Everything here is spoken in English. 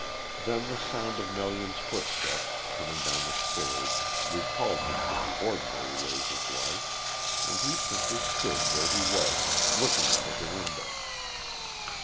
Then the sound of Melian's footsteps, coming down the stairs recalled him to the ordinary ways of life, and he simply stood where he was looking out of the window.